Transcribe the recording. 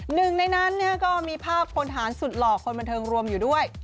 หนึ่งในนั้นก็มีภาพพลฐานสุดหล่อคนบันเทิงรวมอยู่ด้วย